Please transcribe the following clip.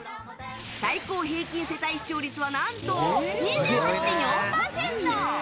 最高平均世帯視聴率は何と２８．４％！